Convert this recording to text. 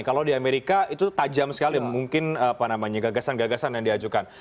kalau di amerika itu tajam sekali mungkin gagasan gagasan yang diajukan